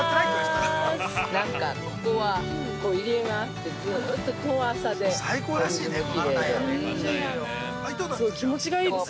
なんかここは入り江があってずっと遠浅で、お水もきれいで。